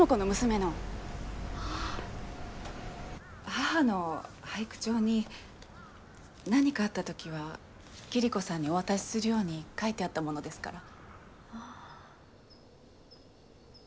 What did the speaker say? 母の俳句帳に何かあった時は桐子さんにお渡しするように書いてあったものですから。